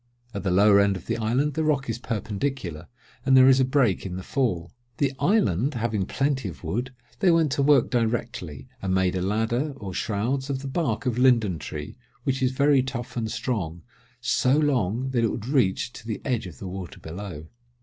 At the lower end of the island the rock is perpendicular, and there is a break in the fall. The island having plenty of wood, they went to work directly and made a ladder, or shrouds, of the bark of linden tree, which is very tough and strong, so long, that it would reach to the edge of the water below.